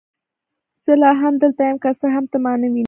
زه لا هم دلته یم، که څه هم ته ما نه وینې.